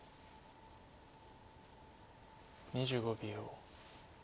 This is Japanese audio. ２５秒。